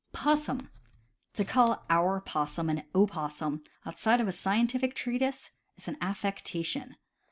Possmn. — To call our possum an opossum, outside of a scientific treatise, is an affectation.